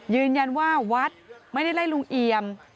ยืนยันว่าวัดไม่ได้ไล่ลุงเอี่ยม